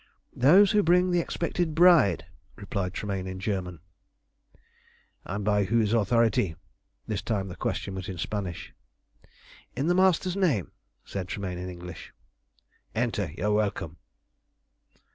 "Those who bring the expected bride," replied Tremayne in German. "And by whose authority?" This time the question was in Spanish. "In the Master's name," said Tremayne in English. "Enter! you are welcome."